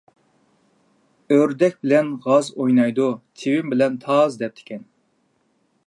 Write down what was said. «ئۆردەك بىلەن غاز ئوينايدۇ، چىۋىن بىلەن تاز» دەپتىكەن.